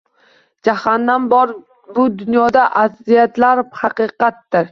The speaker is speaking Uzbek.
Jahannam bor bu dunyoda aziyatlar haqiqatdir